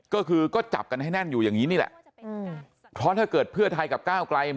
ก็คือก็จับกันให้แน่นอยู่อย่างนี้นี่แหละเพราะถ้าเกิดเพื่อไทยกับก้าวไกล